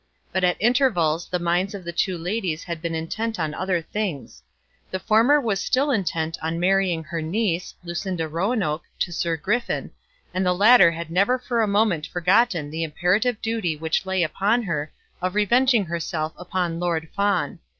But at intervals the minds of the two ladies had been intent on other things. The former was still intent on marrying her niece, Lucinda Roanoke, to Sir Griffin, and the latter had never for a moment forgotten the imperative duty which lay upon her of revenging herself upon Lord Fawn.